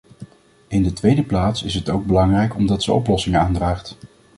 In de tweede plaats is het ook belangrijk omdat ze oplossingen aandraagt.